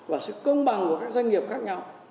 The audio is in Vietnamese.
và sự công bằng của các doanh nghiệp khác nhau